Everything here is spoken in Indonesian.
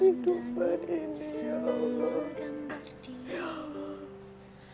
mendungi keluarga ku ya allah